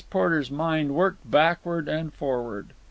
Porter's mind worked backward and forward.